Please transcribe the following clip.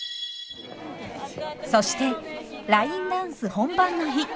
そしてラインダンス本番の日。